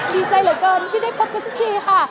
ดีใจเหลือเกินที่ได้พบกันสักทีค่ะ